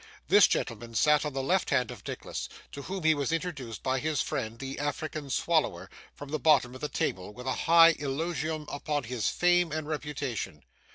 This gentleman sat on the left hand of Nicholas, to whom he was introduced by his friend the African Swallower, from the bottom of the table, with a high eulogium upon his fame and reputation.